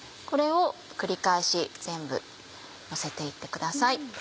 これを繰り返し全部のせて行ってください。